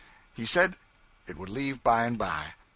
He said it would leave by and by.